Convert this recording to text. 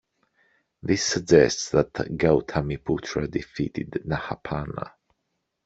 This suggests that Gautamiputra defeated Nahapana.